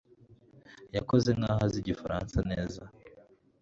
Yakoze nkaho azi igifaransa neza